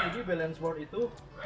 jadi balance board itu